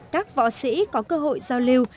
các võ sĩ có cơ hội giao lưu